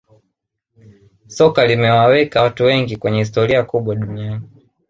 soka limewaweka watu wengi kwenye historia kubwa duniani